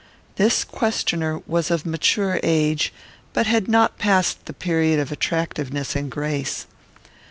This questioner was of mature age, but had not passed the period of attractiveness and grace.